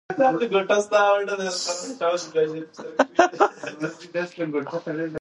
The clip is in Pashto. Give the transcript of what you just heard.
علامه حبیبي د ژبنیو بدلونونو تحلیل کړی دی.